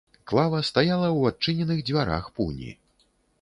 Клава стаяла ў адчыненых дзвярах пуні.